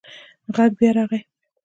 غږ بیا راغی.